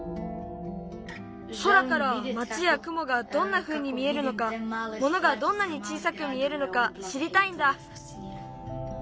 空から町やくもがどんなふうに見えるのかものがどんなに小さく見えるのかしりたいんだ。